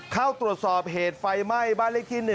เข้าตรวจสอบเหตุไฟไหม้บ้านเลขที่๑